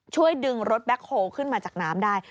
ช่วยดึงรถแบ็คโฮลขึ้นมาจากน้ำได้